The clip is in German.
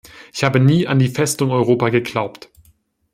Ich habe nie an die "Festung Europa" geglaubt.